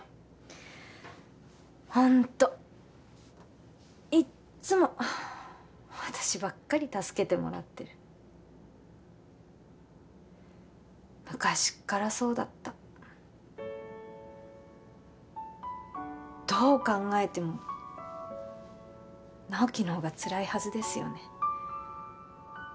ほんといっつも私ばっかり助けてもらってる昔っからそうだったどう考えても直木のほうがつらいはずですよね